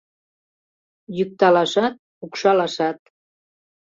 Йӱкталашат, пукшалашат